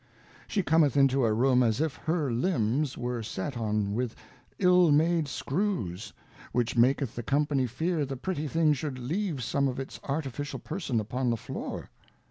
fShe cometh into a Room as if her Limbs were set on with ill made Screws, which maketh the Company fear the pretty thing should leave some of its artificial Person upon the Floor.